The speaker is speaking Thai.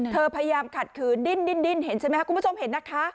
พยายามขัดขืนดิ้นเห็นใช่ไหมครับคุณผู้ชมเห็นนะคะ